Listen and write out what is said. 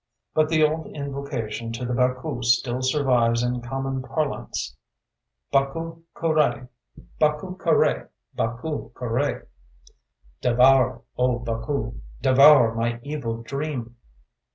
But the old invocation to the Baku still survives in common parlance: Baku kuraë! Baku kuraë! "Devour, O Baku! devour my evil dream!"...